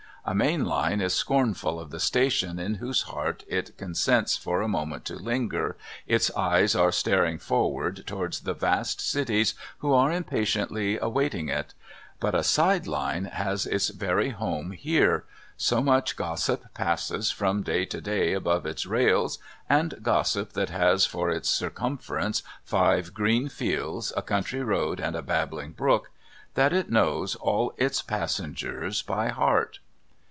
A main line is scornful of the station in whose heart it consents for a moment to linger, its eyes are staring forward towards the vast cities who are impatiently awaiting it; but a side line has its very home here. So much gossip passes from day to day above its rails (and gossip that has for its circumference five green fields, a country road, and a babbling brook), that it knows all its passengers by heart.